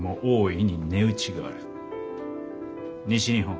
西日本